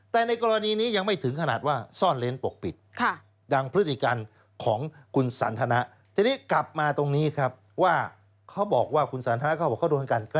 แต่ในกรณีนี้ยังไม่ถึงขนาดว่าซ่อนเล้นปกปิด